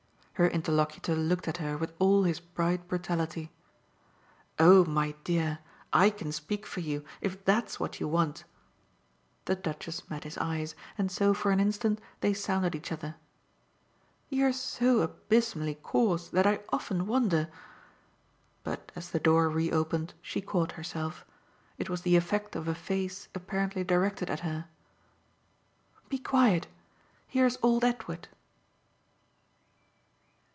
Her interlocutor looked at her with all his bright brutality. "Oh my dear, I can speak for you if THAT'S what you want!" The Duchess met his eyes, and so for an instant they sounded each other. "You're so abysmally coarse that I often wonder !" But as the door reopened she caught herself. It was the effect of a face apparently directed at her. "Be quiet. Here's old Edward."